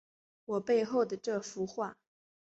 我背后的这幅画